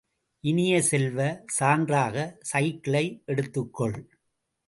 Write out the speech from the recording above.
இனிய செல்வ, சான்றாக சைக்கிளை எடுத்துகொள்?